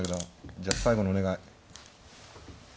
じゃあ最後のお願い。